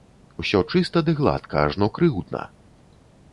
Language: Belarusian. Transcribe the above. Усё чыста ды гладка, ажно крыўдна!